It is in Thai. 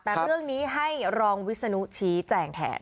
แต่เรื่องนี้ให้รองวิศนุชี้แจงแทน